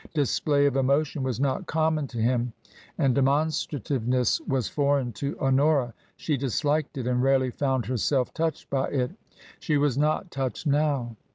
Display of emotion was not common to him, and demonstrative ness was foreign to Honora. She disliked it, and rarely found herself touched by it. She was not touched now.